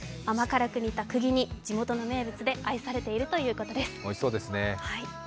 甘辛く煮た、くぎ煮、地元の名物で愛されているということです。